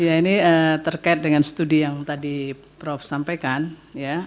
ya ini terkait dengan studi yang tadi prof sampaikan ya